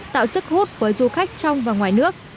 tạo sức hút với du khách trong và ngoài nước